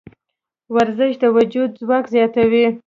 ورزش د وجود ځواک زیاتوي.